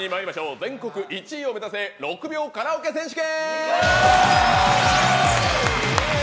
全国１位を目指せ６秒カラオケ選手権！